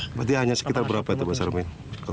berarti hanya sekitar berapa itu mas erwin